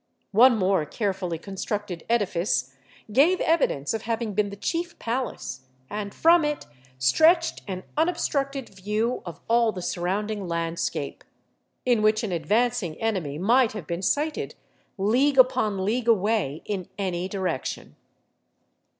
One more carefully constructed edifice gave evidence of having been the chief palace, and from it stretched an unobstructed view of all the surround ing landscape, in which an advancing enemy mi^ht have been sighted league upon league away in any direction.